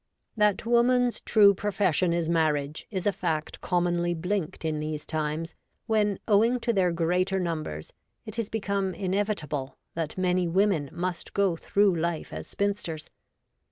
THAT Woman's true profession is marriage is a fact commonly blinked in these times when, owing to their greater numbers, it is become in evitable that many women must go through life as spinsters.